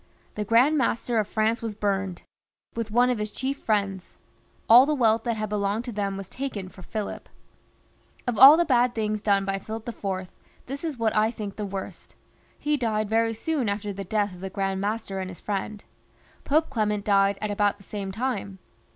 The Grand Master of France was burned with one of his chief friends. All the wealth that had belonged to them was taken by Philip. Of aU the bad things done by Philip IV., this is what I think the worst. He died very soon after the death of the Grand Master and his friend. Pope Clement died at about the same time.